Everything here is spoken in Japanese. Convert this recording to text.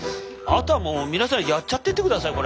あとはもう皆さんやっちゃってってください